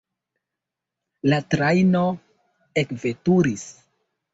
La trajno ekveturis.